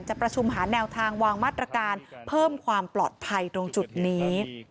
ประชุมหาแนวทางวางมาตรการเพิ่มความปลอดภัยตรงจุดนี้